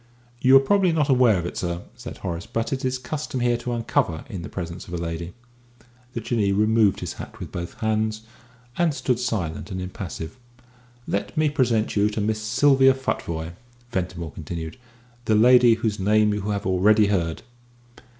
"You are probably not aware of it, sir," said Horace, "but it is the custom here to uncover in the presence of a lady." The Jinnee removed his hat with both hands, and stood silent and impassive. "Let me present you to Miss Sylvia Futvoye," Ventimore continued, "the lady whose name you have already heard."